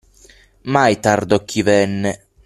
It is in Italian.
Mai tardò chi venne.